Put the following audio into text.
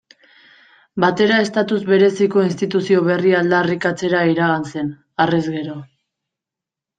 Batera estatus bereziko instituzio berria aldarrikatzera iragan zen, harrez gero.